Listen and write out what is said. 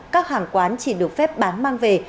các hàng quán chỉ được phép bán mang về